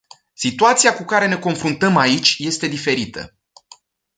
Situația cu care ne confruntăm aici este diferită.